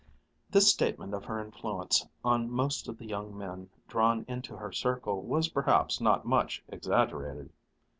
This statement of her influence on most of the young men drawn into her circle was perhaps not much exaggerated.